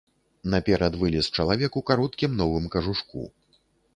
Наперад вылез чалавек у кароткім новым кажушку.